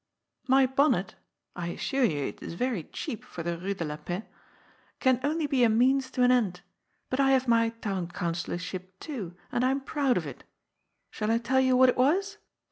" My bonnet — I assure you it is very cheap for the Eue de la Paix— can only be a means to an end. But I have my Town Councillorship too, and I am proud of it. Shall I tell you what it was?